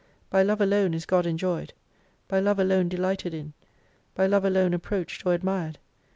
By Love alone is God enjoyed, by Love alone delighted in, by Love alone approached or admired.